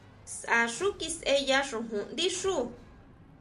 Sʼá xu kisʼeya xojón ndí xuú.